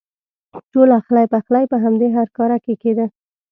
ټول اخلی پخلی په همدې هرکاره کې کېده.